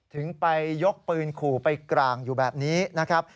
ถึงไปยกปืนขู่ไปกลางอยู่แบบนี้นะครับ